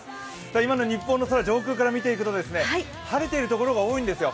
今の日本の空、上空から見ていくと晴れているところが多いんですよ。